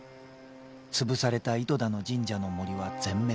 潰された糸田の神社の森は全滅。